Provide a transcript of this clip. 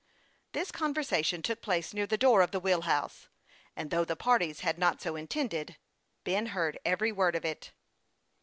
This conversation took place near the door of the wheel house, and though the parties had not so intended, Ben heard every Avord of it.